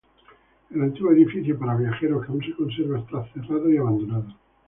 El antiguo edificio para viajeros que aún se conserva está cerrado y abandonado.